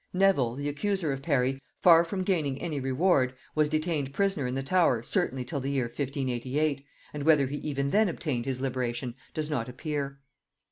Nevil, the accuser of Parry, far from gaining any reward, was detained prisoner in the Tower certainly till the year 1588, and whether he even then obtained his liberation does not appear.